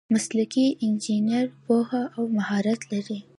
مسلکي انجینر پوهه او مهارت لري.